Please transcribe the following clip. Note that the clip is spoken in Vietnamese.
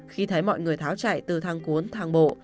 khi thấy mọi người tháo chạy từ thang cuốn thang bộ